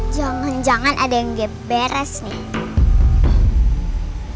jangan jangan ada yang beres nih